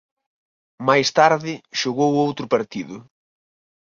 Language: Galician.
Máis tarde xogou outro partido.